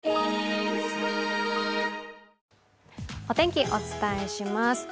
お天気、お伝えします。